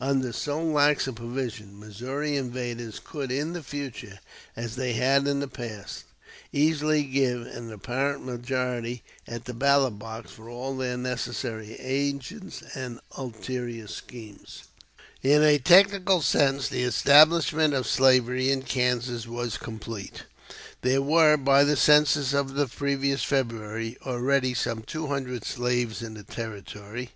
Under so lax a provision Missouri invaders could in the future, as they had in the past, easily give an apparent majority at the ballot box for all their necessary agents and ulterior schemes. In a technical sense the establishment of slavery in Kansas was complete. There were by the census of the previous February already some two hundred slaves in the Territory.